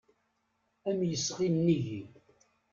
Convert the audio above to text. Am yesɣi nnig-i.